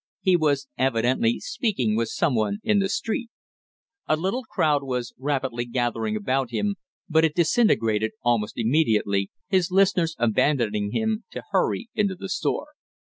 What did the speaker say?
He was evidently speaking with some one in the street. A little crowd was rapidly gathering about him, but it disintegrated almost immediately, his listeners abandoning him to hurry into the store.